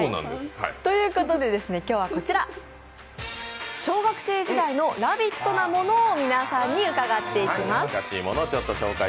今日はこちら、小学生時代のラヴィットなものを皆さんに伺っていきます。